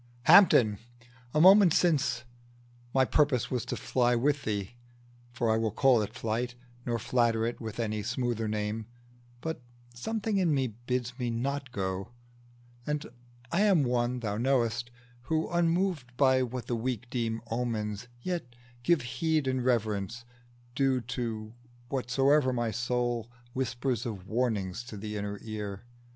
"Hampden! a moment since, my purpose was To fly with thee, for I will call it flight, Nor flatter it with any smoother name, But something in me bids me not to go; And I am one, thou knowest, who, unmoved By what the weak deem omens, yet give heed And reverence due to whatsoe'er my soul Whispers of warning to the inner ear.